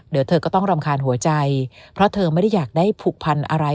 เดี๋ยวเธอก็ต้องรำคาญหัวใจเพราะเธอไม่ได้อยากได้ผูกพันอะไร